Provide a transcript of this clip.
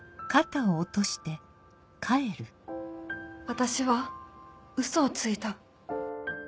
私は嘘をついた